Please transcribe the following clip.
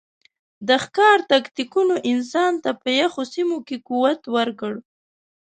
د ښکار تکتیکونو انسان ته په یخو سیمو کې قوت ورکړ.